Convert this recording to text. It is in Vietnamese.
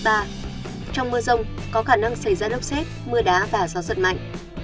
trong mưa rông có khả năng xảy ra lốc xét mưa đá và gió giật mạnh